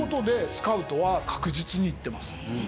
スカウトは確実に行ってます。